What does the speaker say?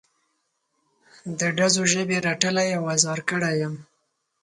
د ډزو ژبې رټلی او ازار کړی یم.